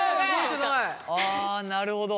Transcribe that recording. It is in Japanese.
あなるほど。